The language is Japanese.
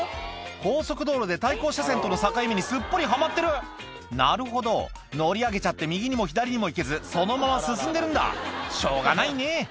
高速道路で対向車線との境目にすっぽりはまってるなるほど乗り上げちゃって右にも左にも行けずそのまま進んでるんだしょうがないね